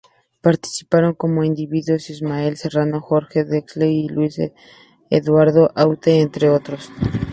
Participaron como invitados Ismael Serrano, Jorge Drexler y Luis Eduardo Aute, entre otros.